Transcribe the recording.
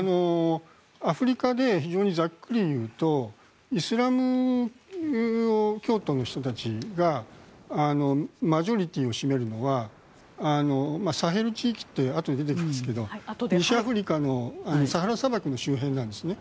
アフリカで非常にざっくり言うとイスラム教徒の人たちがマジョリティーを占めるのはサヘル地域といわれるあとで出てきますけど西アフリカのサハラ砂漠の周辺なんですね。